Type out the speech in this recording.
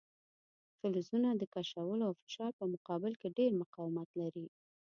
فلزونه د کشولو او فشار په مقابل کې ډیر مقاومت لري.